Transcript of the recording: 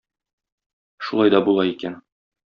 Шулай да була икән.